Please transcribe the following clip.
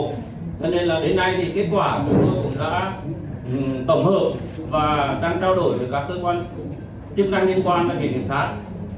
cho nên là đến nay thì kết quả chúng tôi cũng đã tổng hợp và đang trao đổi với các cơ quan chức năng liên quan và ngành kiểm sát